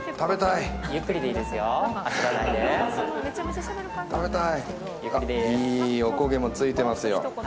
いいおこげもついてますよ。